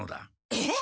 えっ？